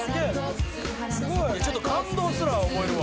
すごい」「ちょっと感動すら覚えるわ」